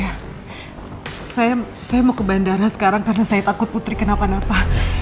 maaf ya pak ya saya mau ke bandara sekarang karena saya takut putri kenapa napa